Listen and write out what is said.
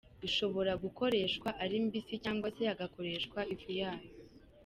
Ishobora gukoreshwa ari mbisi cyangwa se hagakoreshwa ifu yayo.